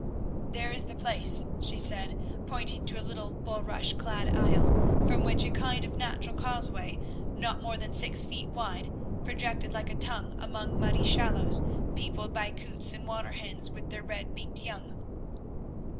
"There is the place," she said, pointing to a little bulrush clad isle, from which a kind of natural causeway, not more than six feet wide, projected like a tongue among muddy shallows peopled by coots and water hens with their red beaked young.